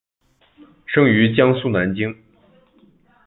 生于江苏南京。